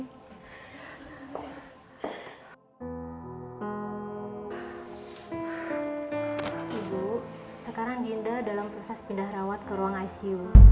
ibu sekarang dinda dalam proses pindah rawat ke ruang icu